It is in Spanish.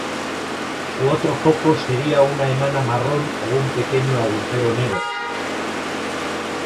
Su otro foco sería una enana marrón o un pequeño agujero negro.